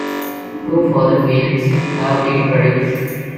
Two further films have been produced.